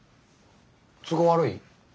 都合悪い？